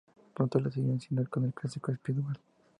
Pronto le siguió con el clásico Speedball.